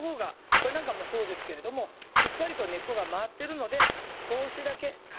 これなんかもそうですけれどもしっかりと根っこが回ってるので少しだけ軽くほぐす。